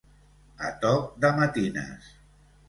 A toc de matines.